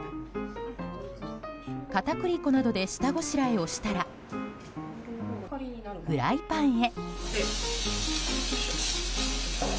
片栗粉などで下ごしらえをしたらフライパンへ。